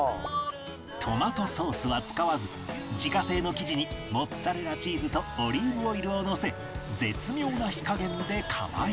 トマトソースは使わず自家製の生地にモッツァレラチーズとオリーブオイルをのせ絶妙な火加減で窯焼き